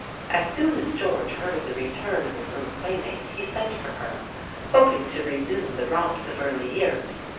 As soon as George heard of the return of his little playmate he sent for her, hoping to resume the romps of early years.